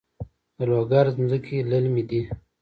د لوګر ځمکې للمي دي